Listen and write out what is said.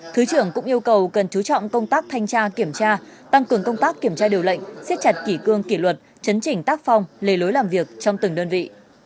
thứ trưởng cũng yêu cầu cần chú trọng công tác thanh tra kiểm tra tăng cường công tác kiểm tra điều lệnh xiết chặt kỷ cương kỷ luật chấn chỉnh tác phong lề lối làm việc trong từng đơn vị